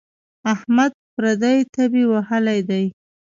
احمد پردۍ تبې وهلی دی.